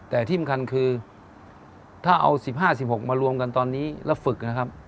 แต่ที่สำคัญคือถ้าเอา๑๕๑๖มารวมกันตอนนี้แล้วฝึกนะครับ